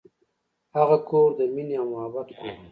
هغه کور د مینې او محبت کور و.